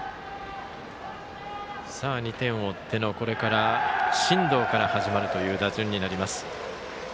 ２点を追っての進藤から始まるという打順になります。